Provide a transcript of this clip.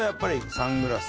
サングラス。